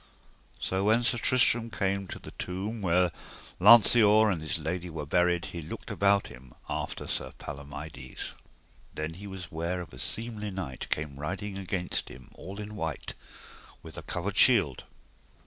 So when Sir Tristram came to the tomb where Lanceor and his lady were buried he looked about him after Sir Palomides. Then was he ware of a seemly knight came riding against him all in white, with a covered shield.